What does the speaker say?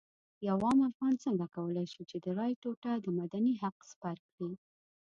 یو عام افغان څنګه کولی شي د رایې ټوټه د مدني حق سپر کړي.